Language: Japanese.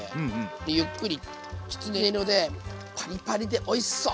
ゆっくりきつね色でパリパリでおいしそう！